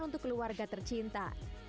untuk keluarga tercinta